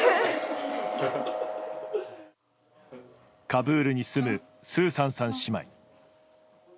カブールに住むスーサンさん姉妹。